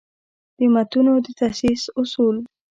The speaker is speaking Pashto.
د متونو د تصحیح اصول: